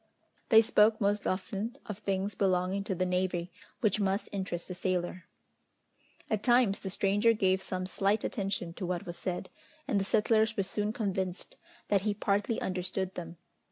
They spoke most often of things belonging to the navy, which must interest a sailor. At times the stranger gave some slight attention to what was said, and the settlers were soon convinced that he partly understood them.